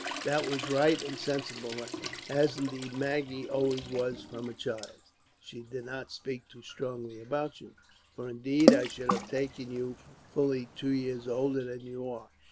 "That was right and sensible, lad, as indeed Maggie always was, from a child. "She did not speak too strongly about you, for indeed I should have taken you for fully two years older than you are.